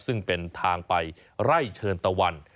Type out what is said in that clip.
ซึ่งเป็นทางไปไล่เชิญตะวัน